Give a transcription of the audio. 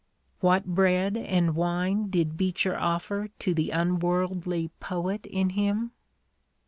"What bread and wine did Beecher offer to the unworldly poet in him?